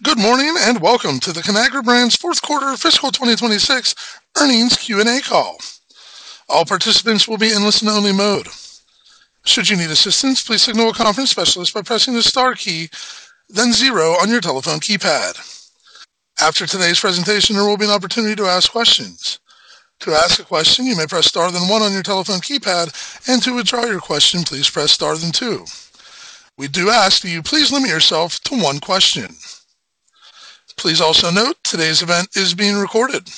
Good morning, welcome to the Conagra Brands fourth quarter fiscal 2026 earnings Q&A call. All participants will be in listen only mode. Should you need assistance, please signal a conference specialist by pressing the star key, then zero on your telephone keypad. After today's presentation, there will be an opportunity to ask questions. To ask a question, you may press star then one on your telephone keypad, and to withdraw your question, please press star then two. We do ask that you please limit yourself to one question. Please also note today's event is being recorded.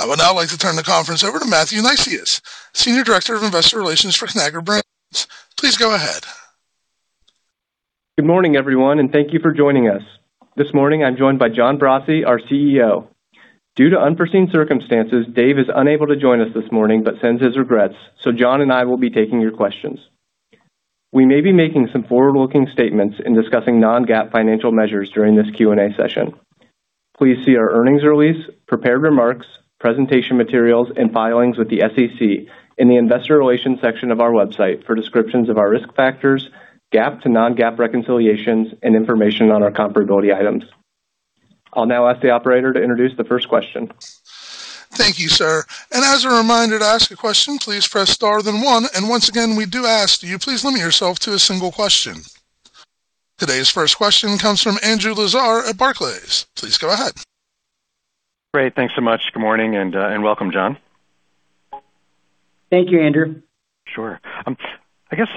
I would now like to turn the conference over to Matthew Neisius, Senior Director of Investor Relations for Conagra Brands. Please go ahead. Good morning, everyone, thank you for joining us. This morning I'm joined by John Brase, our CEO. Due to unforeseen circumstances, Dave is unable to join us this morning, but sends his regrets, so John and I will be taking your questions. We may be making some forward-looking statements in discussing non-GAAP financial measures during this Q&A session. Please see our earnings release, prepared remarks, presentation materials, and filings with the SEC in the investor relations section of our website for descriptions of our risk factors, GAAP to non-GAAP reconciliations, and information on our comparability items. I'll now ask the operator to introduce the first question. Thank you, sir. As a reminder, to ask a question, please press star then one, and once again, we do ask that you please limit yourself to a single question. Today's first question comes from Andrew Lazar at Barclays. Please go ahead. Great. Thanks so much. Good morning, welcome, John. Thank you, Andrew. Sure. I guess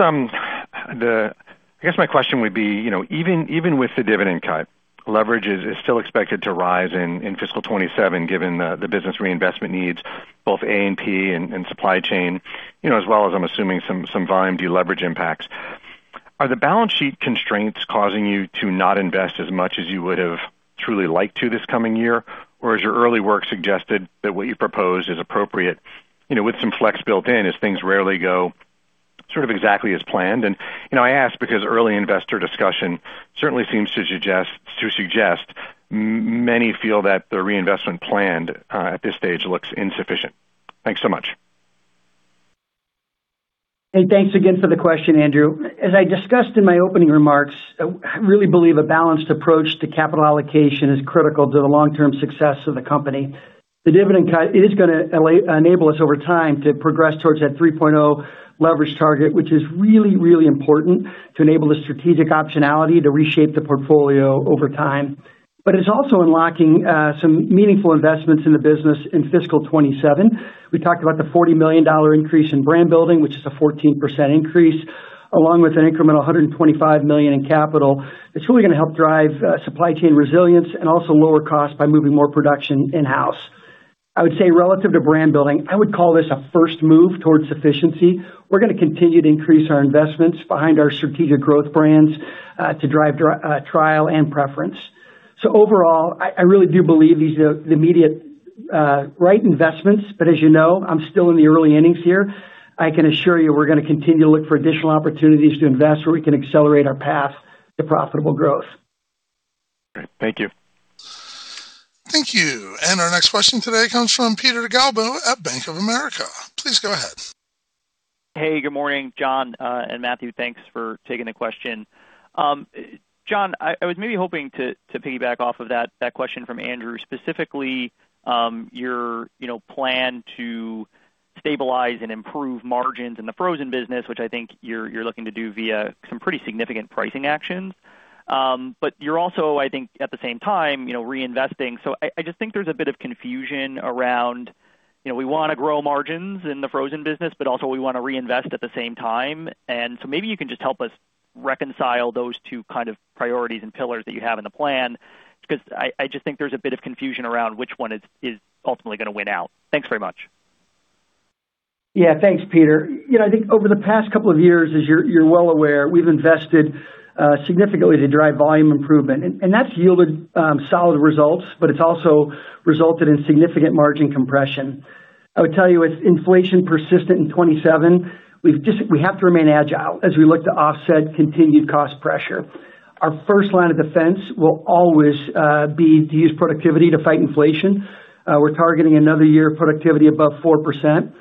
my question would be, even with the dividend cut, leverage is still expected to rise in fiscal 2027, given the business reinvestment needs both A&P and supply chain, as well as I'm assuming some volume deleverage impacts. Are the balance sheet constraints causing you to not invest as much as you would have truly liked to this coming year? Or has your early work suggested that what you proposed is appropriate with some flex built in as things rarely go sort of exactly as planned? I ask because early investor discussion certainly seems to suggest many feel that the reinvestment planned at this stage looks insufficient. Thanks so much. Thanks again for the question, Andrew. As I discussed in my opening remarks, I really believe a balanced approach to capital allocation is critical to the long-term success of the company. The dividend cut is going to enable us over time to progress towards that 3.0x leverage target, which is really, really important to enable the strategic optionality to reshape the portfolio over time. It's also unlocking some meaningful investments in the business in fiscal 2027. We talked about the $40 million increase in brand building, which is a 14% increase, along with an incremental $125 million in capital. It's really going to help drive supply chain resilience and also lower cost by moving more production in-house. I would say relative to brand building, I would call this a first move towards efficiency. We're going to continue to increase our investments behind our strategic growth brands, to drive trial and preference. Overall, I really do believe these are the immediate right investments, but as you know, I'm still in the early innings here. I can assure you we're going to continue to look for additional opportunities to invest where we can accelerate our path to profitable growth. Great. Thank you. Thank you. Our next question today comes from Peter Galbo at Bank of America. Please go ahead. Hey, good morning, John and Matthew. Thanks for taking the question. John, I was maybe hoping to piggyback off of that question from Andrew, specifically, your plan to stabilize and improve margins in the Frozen business, which I think you're looking to do via some pretty significant pricing actions. You're also, I think, at the same time, reinvesting. I just think there's a bit of confusion around, we want to grow margins in the Frozen business, but also we want to reinvest at the same time. Maybe you can just help us reconcile those two kind of priorities and pillars that you have in the plan, because I just think there's a bit of confusion around which one is ultimately gonna win out. Thanks very much. Yeah. Thanks, Peter. I think over the past couple of years, as you're well aware, we've invested significantly to drive volume improvement, that's yielded solid results, it's also resulted in significant margin compression. I would tell you, with inflation persistent in 2027, we have to remain agile as we look to offset continued cost pressure. Our first line of defense will always be to use productivity to fight inflation. We're targeting another year of productivity above 4%,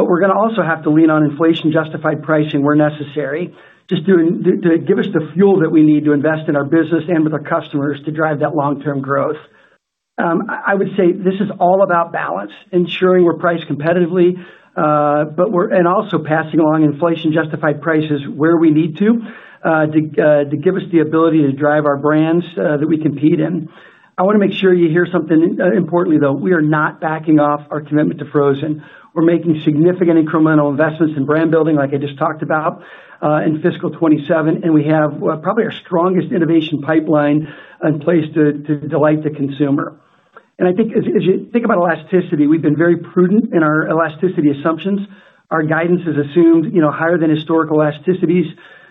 we're going to also have to lean on inflation-justified pricing where necessary just to give us the fuel that we need to invest in our business and with our customers to drive that long-term growth. I would say this is all about balance, ensuring we're priced competitively, we're also passing along inflation-justified prices where we need to give us the ability to drive our brands that we compete in. I want to make sure you hear something importantly, though. We are not backing off our commitment to Frozen. We're making significant incremental investments in brand building, like I just talked about, in fiscal 2027, and we have probably our strongest innovation pipeline in place to delight the consumer. I think as you think about elasticity, we've been very prudent in our elasticity assumptions. Our guidance has assumed higher than historical elasticities,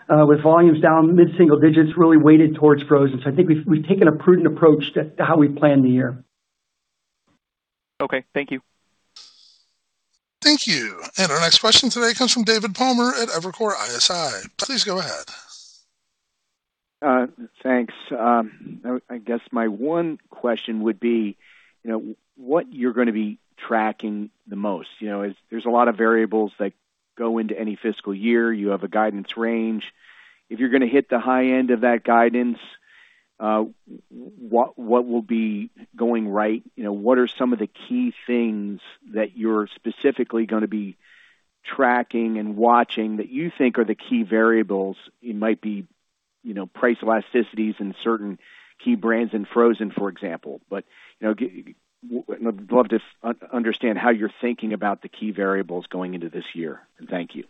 with volumes down mid-single digits, really weighted towards Frozen. I think we've taken a prudent approach to how we plan the year. Okay. Thank you. Thank you. Our next question today comes from David Palmer at Evercore ISI. Please go ahead. Thanks. I guess my one question would be, what you're going to be tracking the most. There's a lot of variables that go into any fiscal year. You have a guidance range. If you're going to hit the high end of that guidance. What will be going right? What are some of the key things that you're specifically going to be tracking and watching that you think are the key variables? It might be price elasticities in certain key brands in Frozen, for example. Would love to understand how you're thinking about the key variables going into this year. Thank you.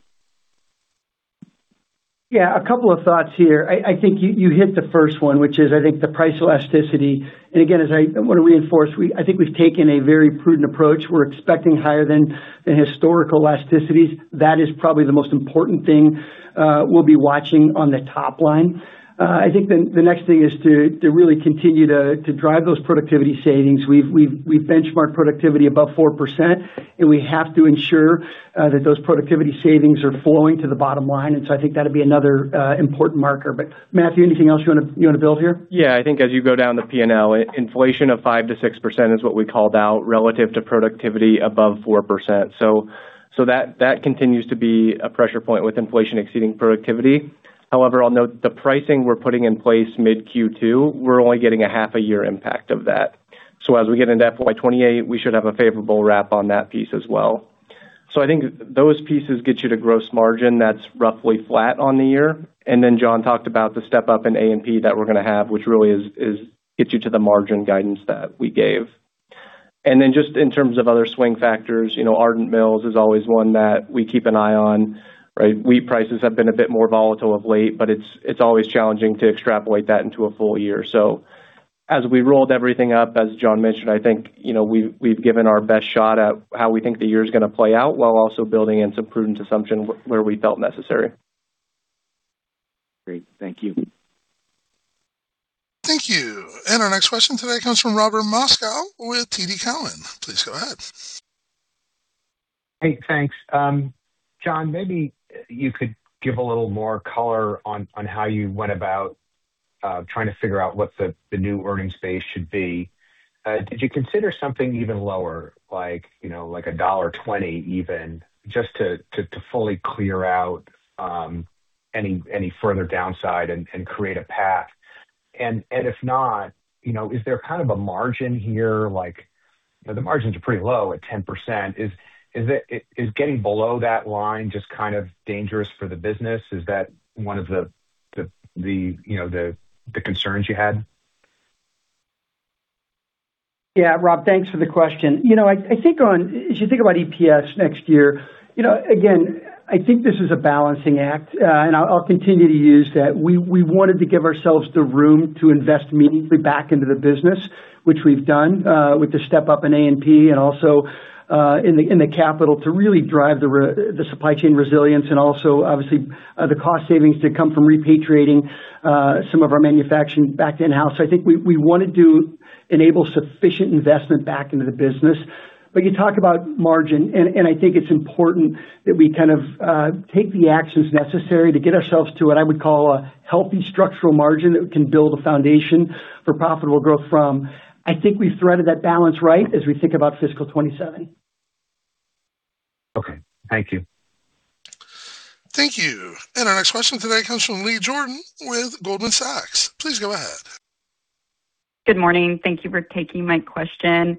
Yeah. A couple of thoughts here. I think you hit the first one, which is, I think the price elasticity. Again, I want to reinforce, I think we've taken a very prudent approach. We're expecting higher than historical elasticities. That is probably the most important thing we'll be watching on the top line. I think the next thing is to really continue to drive those productivity savings. We've benchmarked productivity above 4%, and we have to ensure that those productivity savings are flowing to the bottom line. I think that'll be another important marker. Matthew, anything else you want to build here? Yeah. I think as you go down the P&L, inflation of 5%-6% is what we called out relative to productivity above 4%. That continues to be a pressure point with inflation exceeding productivity. However, I'll note the pricing we're putting in place mid Q2, we're only getting a half a year impact of that. As we get into FY 2028, we should have a favorable wrap on that piece as well. I think those pieces get you to gross margin that's roughly flat on the year. John talked about the step-up in A&P that we're going to have, which really gets you to the margin guidance that we gave. Just in terms of other swing factors, Ardent Mills is always one that we keep an eye on, right? Wheat prices have been a bit more volatile of late, it's always challenging to extrapolate that into a full year. As we rolled everything up, as John mentioned, I think we've given our best shot at how we think the year is going to play out, while also building in some prudent assumption where we felt necessary. Great. Thank you. Thank you. Our next question today comes from Robert Moskow with TD Cowen. Please go ahead. Hey, thanks. John, maybe you could give a little more color on how you went about trying to figure out what the new earnings space should be. Did you consider something even lower, like $1.20 even, just to fully clear out any further downside and create a path? If not, the margins are pretty low at 10%. Is getting below that line just kind of dangerous for the business? Is that one of the concerns you had? Yeah. Rob, thanks for the question. As you think about EPS next year, again, I think this is a balancing act, and I'll continue to use that. We wanted to give ourselves the room to invest meaningfully back into the business, which we've done with the step-up in A&P and also in the capital to really drive the supply chain resilience and also, obviously, the cost savings that come from repatriating some of our manufacturing back in-house. I think we want to enable sufficient investment back into the business. You talk about margin, and I think it's important that we kind of take the actions necessary to get ourselves to what I would call a healthy structural margin that we can build a foundation for profitable growth from. I think we've threaded that balance right as we think about fiscal 2027. Okay. Thank you. Thank you. Our next question today comes from Leah Jordan with Goldman Sachs. Please go ahead. Good morning. Thank you for taking my question.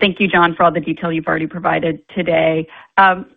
Thank you, John, for all the detail you've already provided today. John,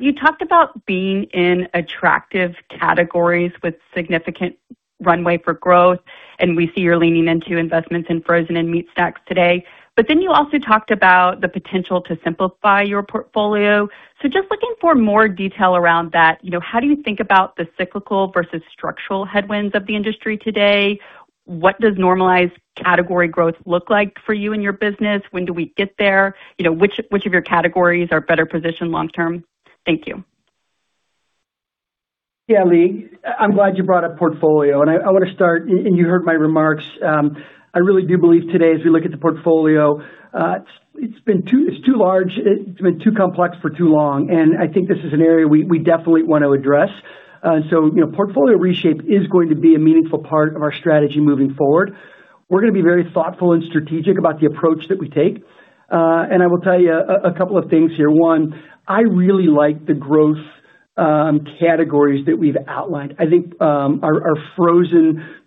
you talked about being in attractive categories with significant runway for growth, we see you're leaning into investments in Frozen and meat snacks today. Then you also talked about the potential to simplify your portfolio. Just looking for more detail around that, how do you think about the cyclical versus structural headwinds of the industry today? What does normalized category growth look like for you in your business? When do we get there? Which of your categories are better positioned long term? Thank you. Yeah, Leah, I'm glad you brought up portfolio, I want to start, you heard my remarks. I really do believe today, as we look at the portfolio, it's too large, it's been too complex for too long, I think this is an area we definitely want to address. Portfolio reshape is going to be a meaningful part of our strategy moving forward. We're going to be very thoughtful and strategic about the approach that we take. I will tell you a couple of things here. One, I really like the growth categories that we've outlined. I think our Frozen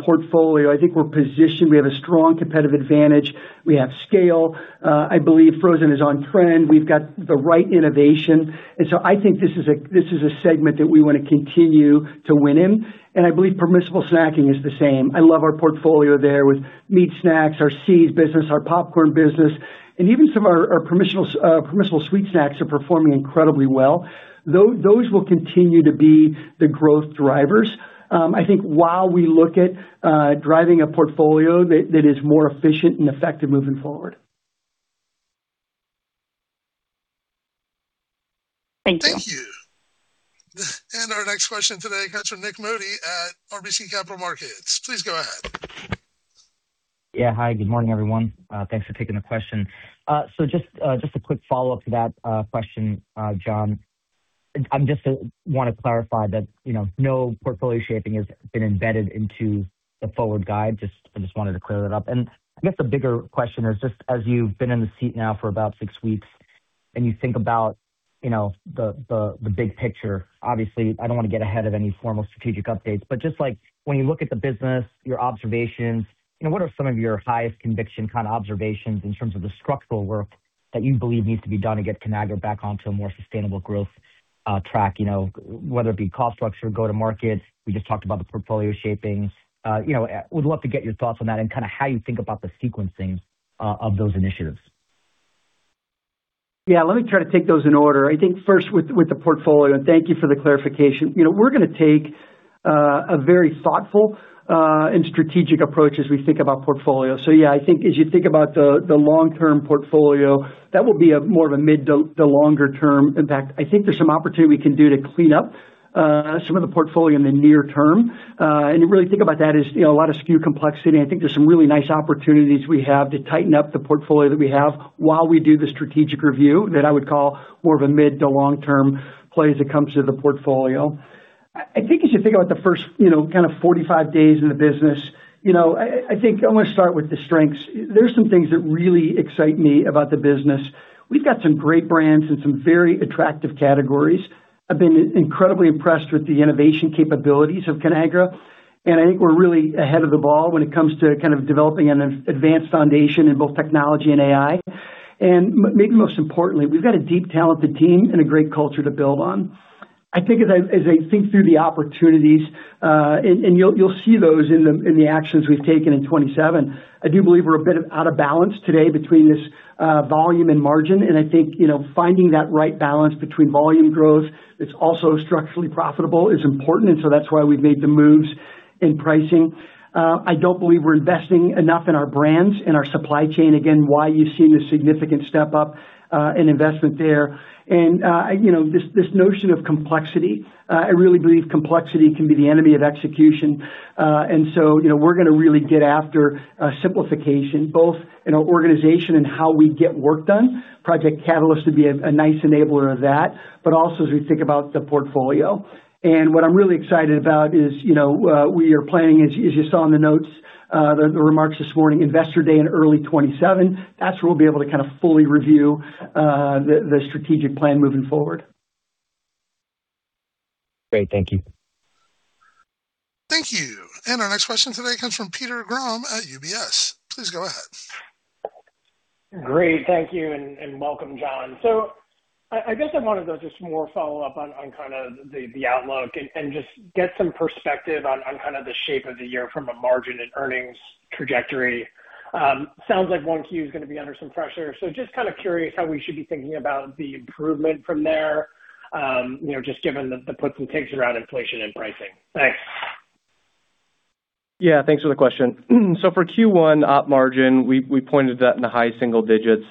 portfolio, I think we're positioned. We have a strong competitive advantage. We have scale. I believe Frozen is on trend. We've got the right innovation, I think this is a segment that we want to continue to win in. I believe permissible snacking is the same. I love our portfolio there with meat snacks, our seeds business, our popcorn business, and even some of our permissible sweet snacks are performing incredibly well. Those will continue to be the growth drivers, I think, while we look at driving a portfolio that is more efficient and effective moving forward. Thank you. Thank you. Our next question today comes from Nik Modi at RBC Capital Markets. Please go ahead. Hi, good morning, everyone. Thanks for taking the question. Just a quick follow-up to that question, John. I just want to clarify that no portfolio shaping has been embedded into the forward guide. I just wanted to clear that up. I guess the bigger question is just as you've been in the seat now for about six weeks. You think about the big picture. Obviously, I don't want to get ahead of any formal strategic updates, but just when you look at the business, your observations, what are some of your highest conviction kind of observations in terms of the structural work that you believe needs to be done to get Conagra back onto a more sustainable growth track, whether it be cost structure, go to market. We just talked about the portfolio shaping. Would love to get your thoughts on that and kind of how you think about the sequencing of those initiatives. Yeah. Let me try to take those in order. I think first with the portfolio, and thank you for the clarification. We're going to take a very thoughtful and strategic approach as we think about portfolio. Yeah, I think as you think about the long-term portfolio, that will be more of a mid-to-longer-term impact. I think there's some opportunity we can do to clean up some of the portfolio in the near term. Really think about that as a lot of SKU complexity. I think there's some really nice opportunities we have to tighten up the portfolio that we have while we do the strategic review that I would call more of a mid-to-long-term play as it comes to the portfolio. I think as you think about the first 45 days in the business, I think I'm going to start with the strengths. There's some things that really excite me about the business. We've got some great brands and some very attractive categories. I've been incredibly impressed with the innovation capabilities of Conagra, and I think we're really ahead of the ball when it comes to developing an advanced foundation in both technology and AI. Maybe most importantly, we've got a deep, talented team and a great culture to build on. I think as I think through the opportunities, you'll see those in the actions we've taken in 2027. I do believe we're a bit out of balance today between this volume and margin. I think finding that right balance between volume growth that's also structurally profitable is important, that's why we've made the moves in pricing. I don't believe we're investing enough in our brands and our supply chain. Again, why you see the significant step up in investment there. This notion of complexity, I really believe complexity can be the enemy of execution. We're going to really get after simplification, both in our organization and how we get work done. Project Catalyst would be a nice enabler of that, also as we think about the portfolio. What I'm really excited about is we are planning, as you saw in the notes, the remarks this morning, Investor Day in early 2027. That's where we'll be able to kind of fully review the strategic plan moving forward. Great. Thank you. Thank you. Our next question today comes from Peter Grom at UBS. Please go ahead. Great. Thank you, and welcome, John. I guess I wanted to just more follow up on kind of the outlook and just get some perspective on kind of the shape of the year from a margin and earnings trajectory. Sounds like 1Q is going to be under some pressure, so just kind of curious how we should be thinking about the improvement from there, just given the puts and takes around inflation and pricing. Thanks. Yeah, thanks for the question. For Q1 op margin, we pointed to that in the high single digits.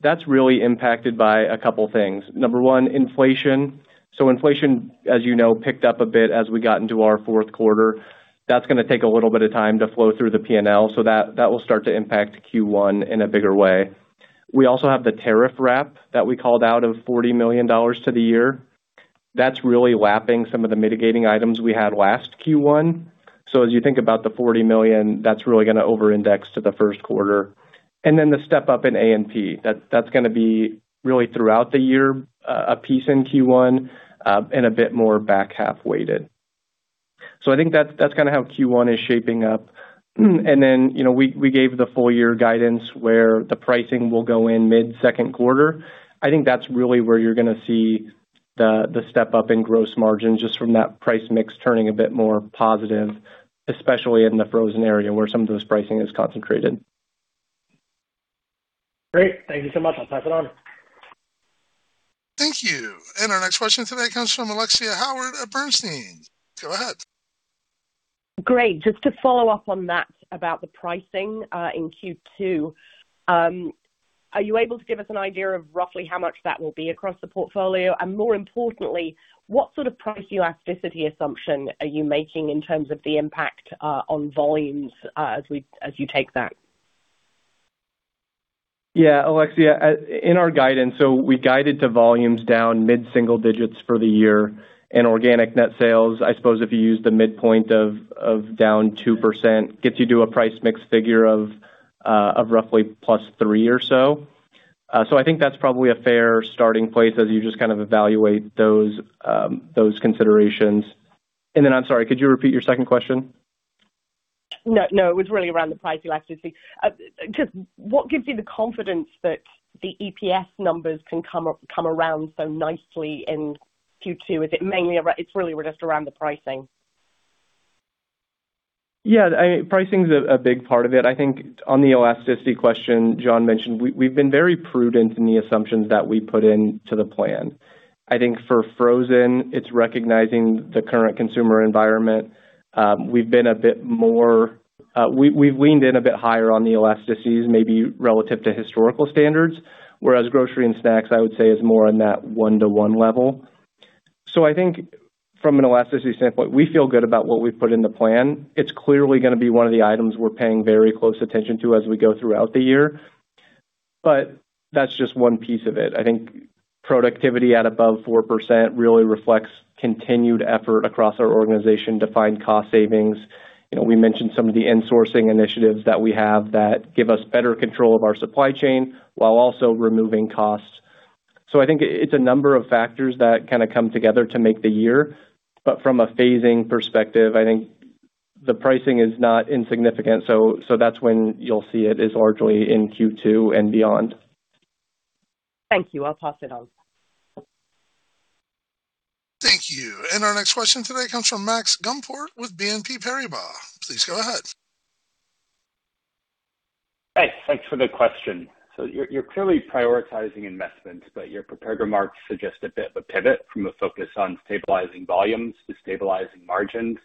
That's really impacted by a couple things. Number one, inflation. Inflation, as you know, picked up a bit as we got into our fourth quarter. That's going to take a little bit of time to flow through the P&L, so that will start to impact Q1 in a bigger way. We also have the tariff wrap that we called out of $40 million to the year. That's really lapping some of the mitigating items we had last Q1. As you think about the $40 million, that's really going to over-index to the first quarter. The step-up in A&P, that's going to be really throughout the year, a piece in Q1 and a bit more back half weighted. I think that's kind of how Q1 is shaping up. We gave the full year guidance where the pricing will go in mid-second quarter. I think that's really where you're going to see the step-up in gross margin, just from that price mix turning a bit more positive, especially in the Frozen area where some of this pricing is concentrated. Great. Thank you so much. I'll pass it on. Thank you. Our next question today comes from Alexia Howard at Bernstein. Go ahead. Great. Just to follow up on that about the pricing in Q2, are you able to give us an idea of roughly how much that will be across the portfolio? More importantly, what sort of price elasticity assumption are you making in terms of the impact on volumes as you take that? Yeah, Alexia. In our guidance, we guided the volumes down mid-single digits for the year in organic net sales. I suppose if you use the midpoint of down 2%, gets you to a price mix figure of roughly +3% or so. I think that's probably a fair starting place as you just kind of evaluate those considerations. Then I'm sorry, could you repeat your second question? No, it was really around the price elasticity. Just what gives you the confidence that the EPS numbers can come around so nicely in Q2? It's really just around the pricing. Yeah, pricing's a big part of it. On the elasticity question John mentioned, we've been very prudent in the assumptions that we put into the plan. For Frozen, it's recognizing the current consumer environment. We've leaned in a bit higher on the elasticities, maybe relative to historical standards. Whereas Grocery & Snacks, I would say, is more on that one-to-one level. I think from an elasticity standpoint, we feel good about what we've put in the plan. It's clearly going to be one of the items we're paying very close attention to as we go throughout the year, but that's just one piece of it. Productivity at above 4% really reflects continued effort across our organization to find cost savings. We mentioned some of the insourcing initiatives that we have that give us better control of our supply chain while also removing costs. I think it's a number of factors that kind of come together to make the year. From a phasing perspective, I think the pricing is not insignificant. That's when you'll see it is largely in Q2 and beyond. Thank you. I'll pass it on. Thank you. Our next question today comes from Max Gumport with BNP Paribas. Please go ahead. Hey, thanks for the question. You're clearly prioritizing investments. Your prepared remarks suggest a bit of a pivot from a focus on stabilizing volumes to stabilizing margins.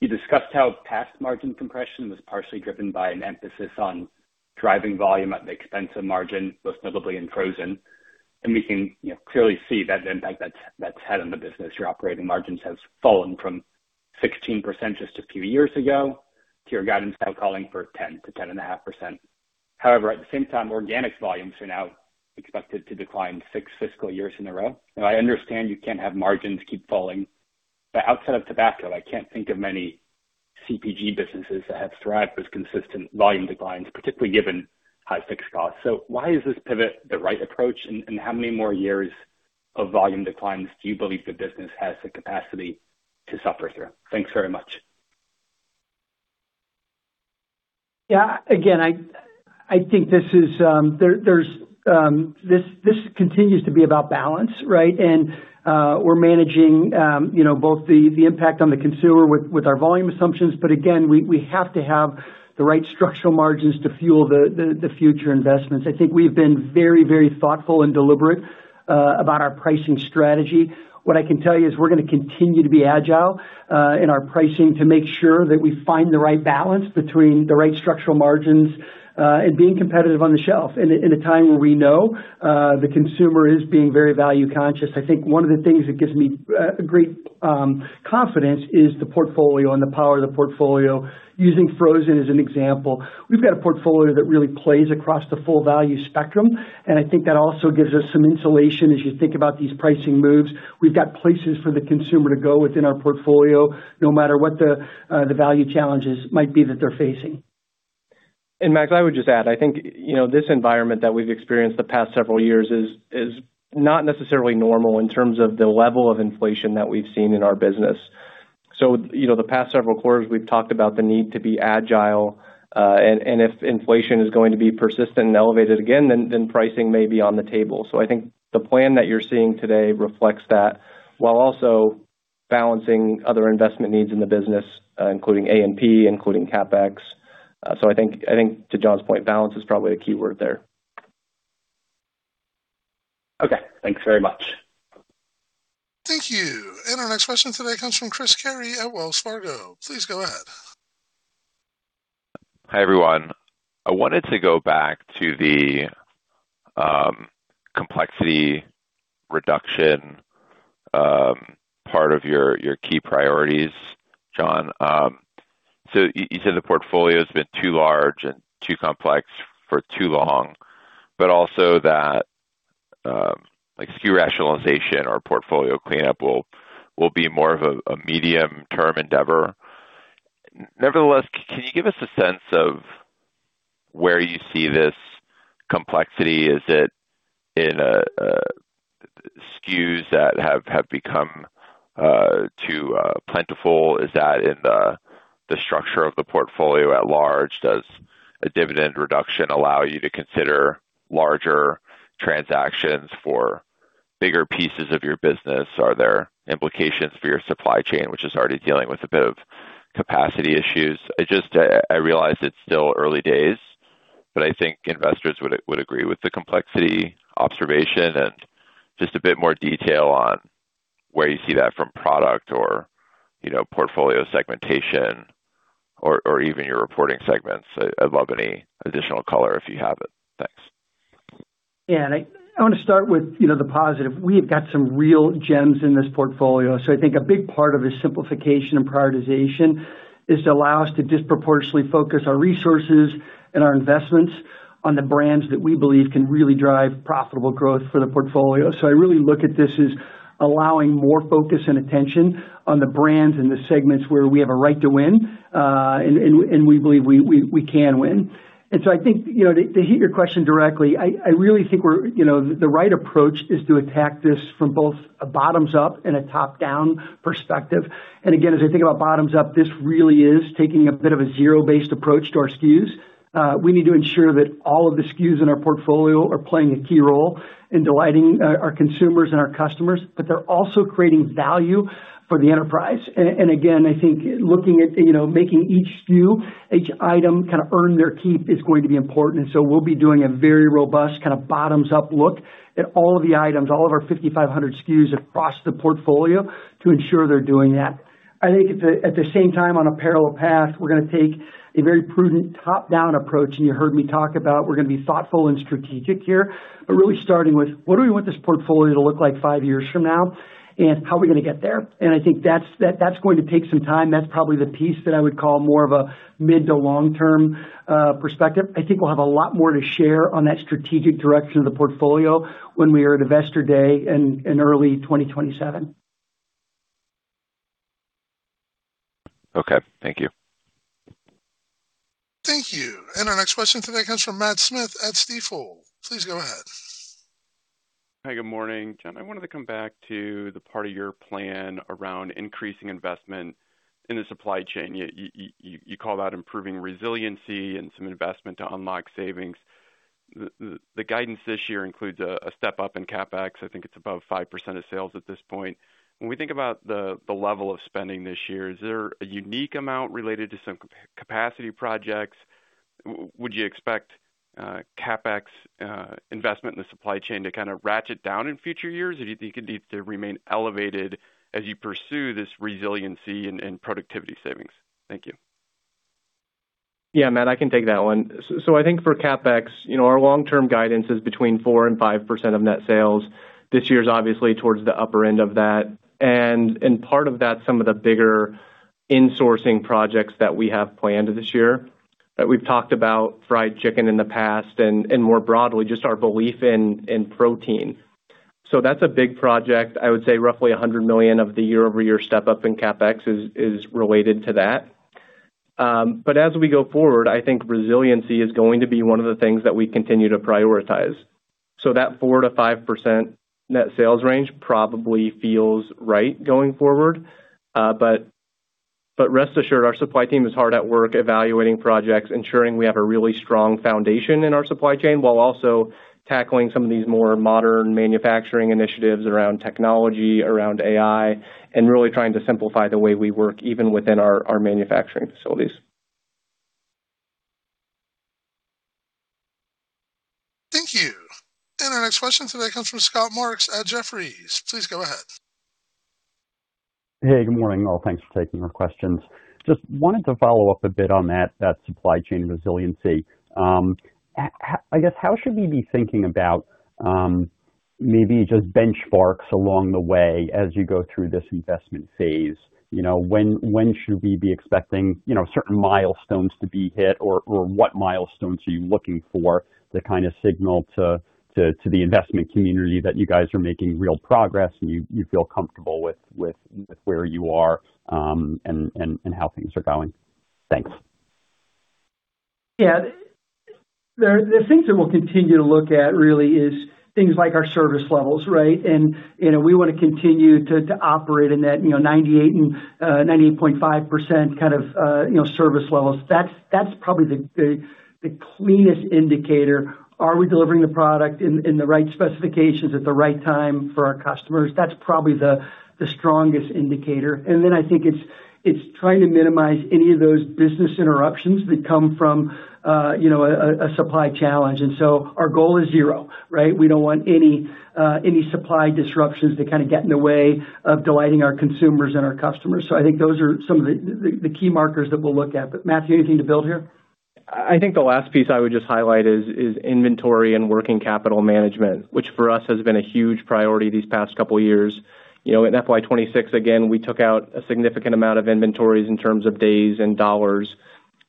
You discussed how past margin compression was partially driven by an emphasis on driving volume at the expense of margin, most notably in Frozen. We can clearly see the impact that's had on the business. Your operating margins have fallen from 16% just a few years ago to your guidance now calling for 10%-10.5%. However, at the same time, organic volumes are now expected to decline six fiscal years in a row. I understand you can't have margins keep falling. Outside of tobacco, I can't think of many CPG businesses that have thrived with consistent volume declines, particularly given high fixed costs. Why is this pivot the right approach, and how many more years of volume declines do you believe the business has the capacity to suffer through? Thanks very much. Again, I think this continues to be about balance, right? We're managing both the impact on the consumer with our volume assumptions, again, we have to have the right structural margins to fuel the future investments. I think we've been very thoughtful and deliberate about our pricing strategy. What I can tell you is we're going to continue to be agile in our pricing to make sure that we find the right balance between the right structural margins and being competitive on the shelf in a time where we know the consumer is being very value conscious. I think one of the things that gives me great confidence is the portfolio and the power of the portfolio. Using Frozen as an example, we've got a portfolio that really plays across the full value spectrum, I think that also gives us some insulation as you think about these pricing moves. We've got places for the consumer to go within our portfolio, no matter what the value challenges might be that they're facing. Max, I would just add, I think this environment that we've experienced the past several years is not necessarily normal in terms of the level of inflation that we've seen in our business. The past several quarters, we've talked about the need to be agile, if inflation is going to be persistent and elevated again, then pricing may be on the table. I think the plan that you're seeing today reflects that, while also balancing other investment needs in the business, including A&P, including CapEx. I think to John's point, balance is probably the key word there. Okay, thanks very much. Thank you. Our next question today comes from Chris Carey at Wells Fargo. Please go ahead. Hi, everyone. I wanted to go back to the complexity reduction part of your key priorities, John. You said the portfolio's been too large and too complex for too long, but also that SKU rationalization or portfolio cleanup will be more of a medium-term endeavor. Nevertheless, can you give us a sense of where you see this complexity? Is it in SKUs that have become too plentiful? Is that in the structure of the portfolio at large? Does a dividend reduction allow you to consider larger transactions for bigger pieces of your business? Are there implications for your supply chain, which is already dealing with a bit of capacity issues? I realize it's still early days, but I think investors would agree with the complexity observation and just a bit more detail on where you see that from product or portfolio segmentation or even your reporting segments. I'd love any additional color if you have it. Thanks. Yeah, I want to start with the positive. We have got some real gems in this portfolio. I think a big part of the simplification and prioritization is to allow us to disproportionately focus our resources and our investments on the brands that we believe can really drive profitable growth for the portfolio. I really look at this as allowing more focus and attention on the brands and the segments where we have a right to win, and we believe we can win. I think to hit your question directly, I really think the right approach is to attack this from both a bottoms-up and a top-down perspective. Again, as I think about bottoms-up, this really is taking a bit of a zero-based approach to our SKUs. We need to ensure that all of the SKUs in our portfolio are playing a key role in delighting our consumers and our customers. They're also creating value for the enterprise. Again, I think looking at making each SKU, each item kind of earn their keep is going to be important. We'll be doing a very robust kind of bottoms-up look at all of the items, all of our 5,500 SKUs across the portfolio to ensure they're doing that. I think at the same time, on a parallel path, we're going to take a very prudent top-down approach. You heard me talk about we're going to be thoughtful and strategic here, really starting with what do we want this portfolio to look like five years from now, and how are we going to get there? I think that's going to take some time. That's probably the piece that I would call more of a mid to long-term perspective. I think we'll have a lot more to share on that strategic direction of the portfolio when we are at Investor Day in early 2027. Okay. Thank you. Thank you. Our next question today comes from Matt Smith at Stifel. Please go ahead. Hi, good morning. John, I wanted to come back to the part of your plan around increasing investment in the supply chain. You call that improving resiliency and some investment to unlock savings. The guidance this year includes a step up in CapEx. I think it's above 5% of sales at this point. When we think about the level of spending this year, is there a unique amount related to some capacity projects? Would you expect CapEx investment in the supply chain to kind of ratchet down in future years? Or do you think it needs to remain elevated as you pursue this resiliency and productivity savings? Thank you. Yeah, Matt, I can take that one. I think for CapEx, our long-term guidance is between 4% and 5% of net sales. This year is obviously towards the upper end of that. Part of that, some of the bigger insourcing projects that we have planned this year, that we've talked about fried chicken in the past and more broadly, just our belief in protein. That's a big project. I would say roughly $100 million of the year-over-year step up in CapEx is related to that. As we go forward, I think resiliency is going to be one of the things that we continue to prioritize. That 4%-5% net sales range probably feels right going forward. Rest assured, our supply team is hard at work evaluating projects, ensuring we have a really strong foundation in our supply chain, while also tackling some of these more modern manufacturing initiatives around technology, around AI, and really trying to simplify the way we work, even within our manufacturing facilities. Thank you. Our next question today comes from Scott Marks at Jefferies. Please go ahead. Hey, good morning, all. Thanks for taking our questions. Just wanted to follow up a bit on that supply chain resiliency. I guess, how should we be thinking about maybe just benchmarks along the way as you go through this investment phase? When should we be expecting certain milestones to be hit? What milestones are you looking for to kind of signal to the investment community that you guys are making real progress, and you feel comfortable with where you are, and how things are going? Thanks. Yeah. The things that we'll continue to look at really is things like our service levels, right? We want to continue to operate in that 98% and 98.5% kind of service levels. That's probably the cleanest indicator. Are we delivering the product in the right specifications at the right time for our customers? That's probably the strongest indicator. I think it's trying to minimize any of those business interruptions that come from a supply challenge. Our goal is zero, right? We don't want any supply disruptions to kind of get in the way of delighting our consumers and our customers. I think those are some of the key markers that we'll look at. Matthew, anything to build here? I think the last piece I would just highlight is inventory and working capital management, which for us has been a huge priority these past couple of years. In FY 2026, again, we took out a significant amount of inventories in terms of days and dollars,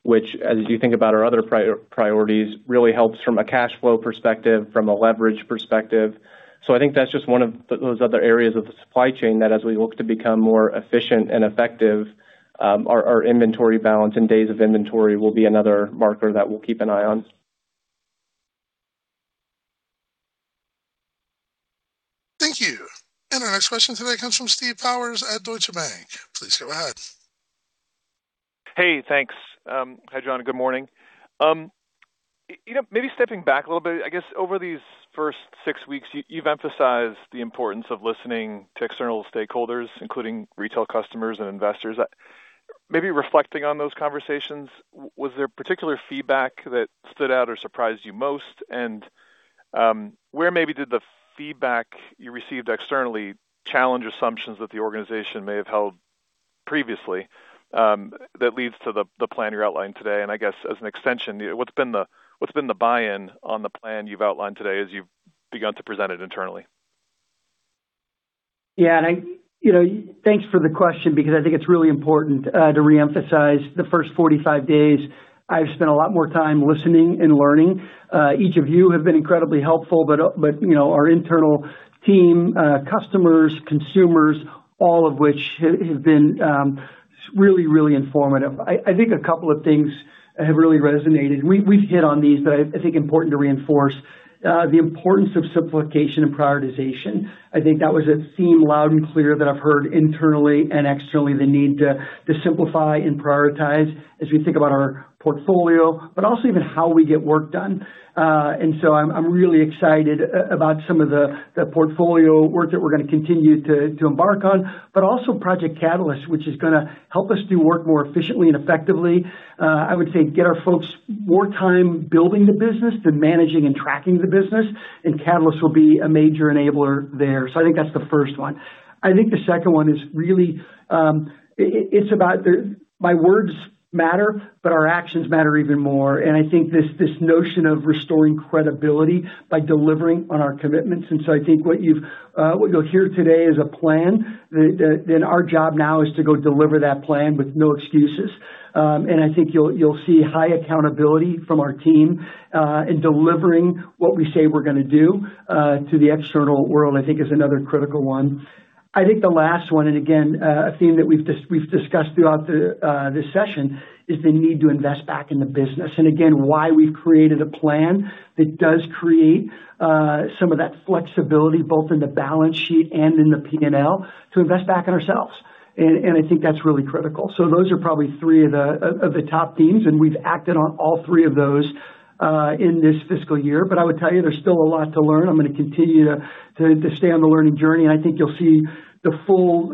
which, as you think about our other priorities, really helps from a cash flow perspective, from a leverage perspective. I think that's just one of those other areas of the supply chain that as we look to become more efficient and effective, our inventory balance and days of inventory will be another marker that we'll keep an eye on. Thank you. Our next question today comes from Steve Powers at Deutsche Bank. Please go ahead. Hey, thanks. Hi, John, good morning. Maybe stepping back a little bit, I guess over these first six weeks, you've emphasized the importance of listening to external stakeholders, including retail customers and investors. Maybe reflecting on those conversations, was there particular feedback that stood out or surprised you most? Where maybe did the feedback you received externally challenge assumptions that the organization may have held previously that leads to the plan you're outlining today? I guess as an extension, what's been the buy-in on the plan you've outlined today as you've begun to present it internally? Yeah. Thanks for the question because I think it's really important to reemphasize the first 45 days, I've spent a lot more time listening and learning. Each of you have been incredibly helpful, but our internal team, customers, consumers, all of which have been really, really informative. I think a couple of things have really resonated. We've hit on these, but I think important to reinforce the importance of simplification and prioritization. I think that was a theme loud and clear that I've heard internally and externally, the need to simplify and prioritize as we think about our portfolio, but also even how we get work done. I'm really excited about some of the portfolio work that we're going to continue to embark on, but also Project Catalyst, which is going to help us do work more efficiently and effectively. I would say get our folks more time building the business than managing and tracking the business, and Catalyst will be a major enabler there. I think that's the first one. I think the second one is really, it's about my words matter, but our actions matter even more. I think this notion of restoring credibility by delivering on our commitments. I think what you'll hear today is a plan, then our job now is to go deliver that plan with no excuses. I think you'll see high accountability from our team in delivering what we say we're going to do to the external world, I think is another critical one. I think the last one, and again, a theme that we've discussed throughout this session, is the need to invest back in the business, and again, why we've created a plan that does create some of that flexibility, both in the balance sheet and in the P&L, to invest back in ourselves. I think that's really critical. Those are probably three of the top themes, and we've acted on all three of those in this fiscal year. I would tell you, there's still a lot to learn. I'm going to continue to stay on the learning journey, and I think you'll see the full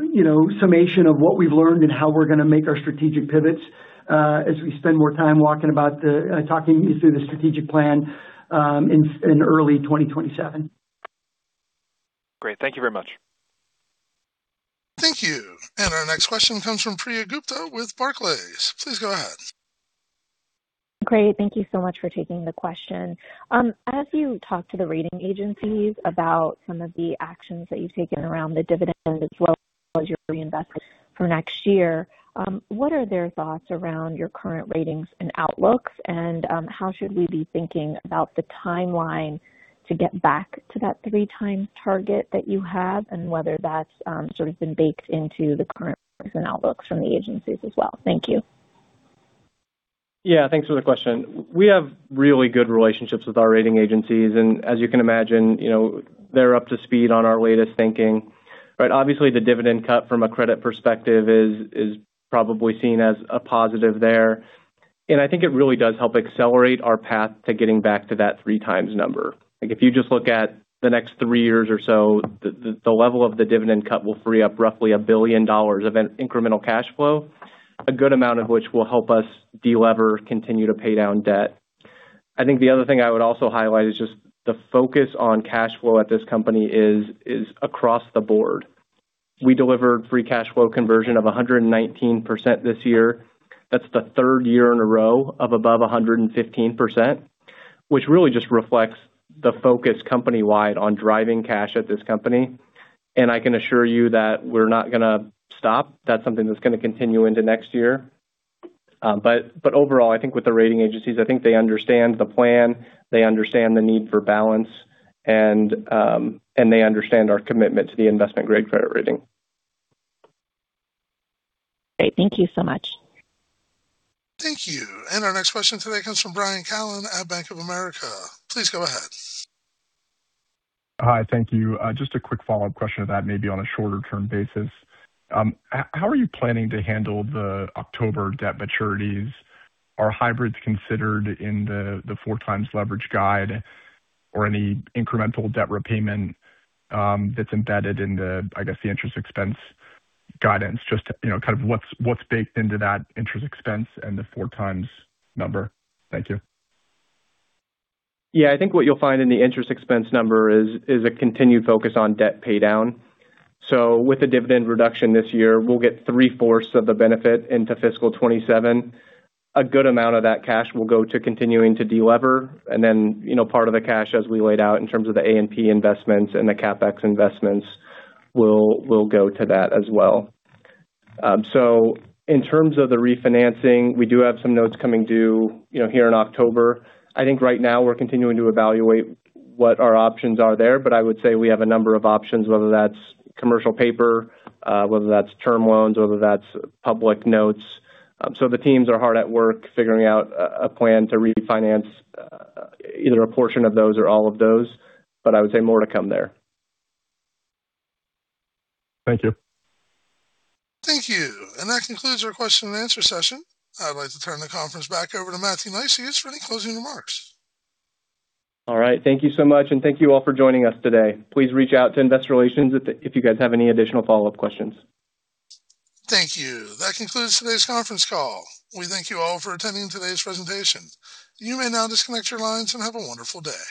summation of what we've learned and how we're going to make our strategic pivots as we spend more time talking you through the strategic plan in early 2027. Great. Thank you very much. Thank you. Our next question comes from Priya Gupta with Barclays. Please go ahead. Great. Thank you so much for taking the question. As you talk to the rating agencies about some of the actions that you've taken around the dividend as well as your reinvestment for next year, what are their thoughts around your current ratings and outlooks, and how should we be thinking about the timeline to get back to that 3x target that you have and whether that's sort of been baked into the current and outlooks from the agencies as well? Thank you. Thanks for the question. We have really good relationships with our rating agencies, as you can imagine, they're up to speed on our latest thinking. Obviously, the dividend cut from a credit perspective is probably seen as a positive there. I think it really does help accelerate our path to getting back to that 3x number. If you just look at the next three years or so, the level of the dividend cut will free up roughly $1 billion of incremental cash flow, a good amount of which will help us de-lever, continue to pay down debt. I think the other thing I would also highlight is just the focus on cash flow at this company is across the board. We delivered free cash flow conversion of 119% this year. That's the third year in a row of above 115%, which really just reflects the focus company-wide on driving cash at this company. I can assure you that we're not going to stop. That's something that's going to continue into next year. Overall, I think with the rating agencies, I think they understand the plan, they understand the need for balance, and they understand our commitment to the investment-grade credit rating. Great. Thank you so much. Thank you. Our next question today comes from Brian Callen at Bank of America. Please go ahead. Hi. Thank you. Just a quick follow-up question to that, maybe on a shorter-term basis. How are you planning to handle the October debt maturities? Are hybrids considered in the 4x leverage guide or any incremental debt repayment that's embedded in the, I guess, the interest expense guidance? Just kind of what's baked into that interest expense and the 4x number. Thank you. Yeah, I think what you'll find in the interest expense number is a continued focus on debt paydown. With the dividend reduction this year, we'll get 3/4 of the benefit into fiscal 2027. A good amount of that cash will go to continuing to de-lever, and then part of the cash, as we laid out in terms of the A&P investments and the CapEx investments, will go to that as well. In terms of the refinancing, we do have some notes coming due here in October. I think right now we're continuing to evaluate what our options are there, I would say we have a number of options, whether that's commercial paper, whether that's term loans, whether that's public notes. The teams are hard at work figuring out a plan to refinance either a portion of those or all of those, I would say more to come there. Thank you. Thank you. That concludes our question and answer session. I'd like to turn the conference back over to Matthew Neisius for any closing remarks. All right. Thank you so much, and thank you all for joining us today. Please reach out to investor relations if you guys have any additional follow-up questions. Thank you. That concludes today's conference call. We thank you all for attending today's presentation. You may now disconnect your lines, and have a wonderful day.